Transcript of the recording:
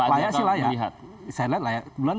layak sih layak